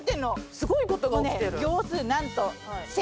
すごいことが起きてる？